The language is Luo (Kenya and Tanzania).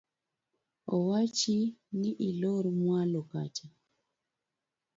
Owachi ni ilor mwalo kacha.